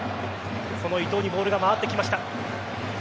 その伊東にボールが回ってきました。